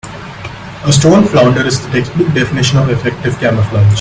A stone flounder is the textbook definition of effective camouflage.